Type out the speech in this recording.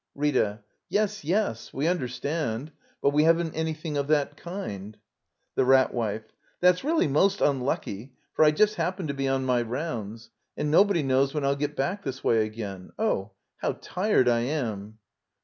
Rita. Yes, yes; we understand. But wc haven't anything of that kind. The Rat Wife. That's really most unlucky, for I just happen to be on my rounds. And no body knows when I'll get back this way again. — Oh, how tired I am!